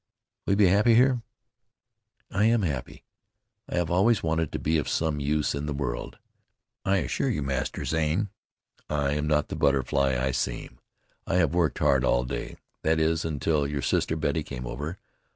"Will you be happy here?" "I am happy. I have always wanted to be of some use in the world. I assure you, Master Zane, I am not the butterfly I seem. I have worked hard all day, that is, until your sister Betty came over.